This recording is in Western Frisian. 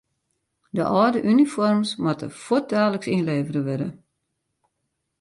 De âlde unifoarms moatte fuortdaliks ynlevere wurde.